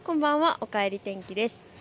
おかえり天気です。